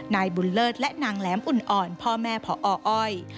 นายบุญเลิศและนางแหลมอุ่นอ่อนพ่อแม่พออ้อย